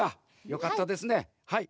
よかったですねはい。